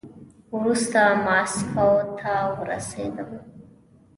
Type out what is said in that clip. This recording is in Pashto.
وروسته ماسکو ته ورسېدم.